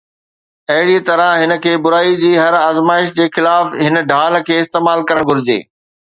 اهڙيءَ طرح هن کي برائي جي هر آزمائش جي خلاف هن ڍال کي استعمال ڪرڻ گهرجي